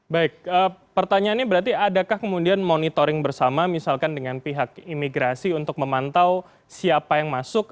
baik pertanyaannya berarti adakah kemudian monitoring bersama misalkan dengan pihak imigrasi untuk memantau siapa yang masuk